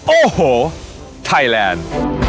โอ้โหไทยแลนด์